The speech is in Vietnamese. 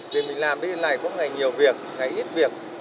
vì mình làm đi lại có nghề nhiều việc nghề ít việc